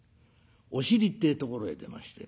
お尻ってえところへ出まして。